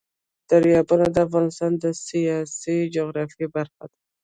دریابونه د افغانستان د سیاسي جغرافیه برخه ده.